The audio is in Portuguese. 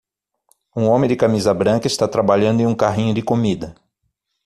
Um homem de camisa branca está trabalhando em um carrinho de comida.